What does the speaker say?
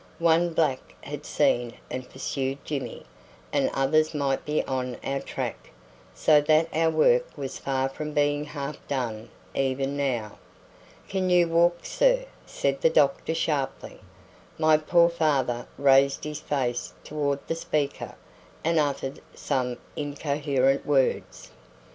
One black had seen and pursued Jimmy, and others might be on our track, so that our work was far from being half done even now. "Can you walk, sir?" said the doctor sharply. My poor father raised his face toward the speaker and uttered some incoherent words.